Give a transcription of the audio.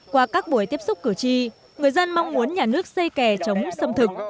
qua các buổi tiếp xúc cử tri người dân mong muốn nhà nước xây kè chống xâm thực